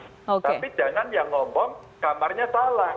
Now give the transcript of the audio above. tapi jangan yang ngomong kamarnya salah